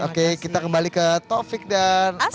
oke kita kembali ke taufik dan